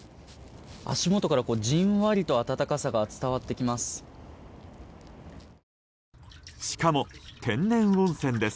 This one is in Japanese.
足元からじんわりと温かさが伝わってきます。